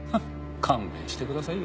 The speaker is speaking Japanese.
勘弁してくださいよ。